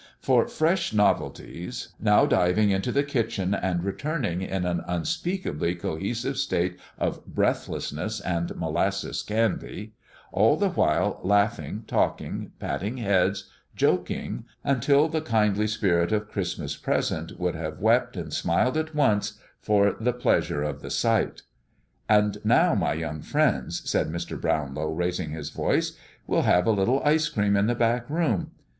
for fresh novelties, now diving into the kitchen and returning in an unspeakably cohesive state of breathlessness and molasses candy, all the while laughing, talking, patting heads, joking, until the kindly Spirit of Christmas Present would have wept and smiled at once, for the pleasure of the sight. "And now, my young friends," said Mr. Brownlow, raising his voice, "we'll have a little ice cream in the back room.